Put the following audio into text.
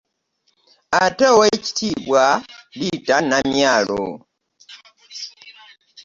Ate Oweekitiibwa Ritah Namyalo